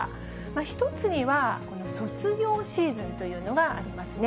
１つには、卒業シーズンというのがありますね。